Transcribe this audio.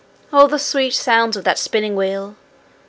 Oh, the sweet sounds of that spinning wheel!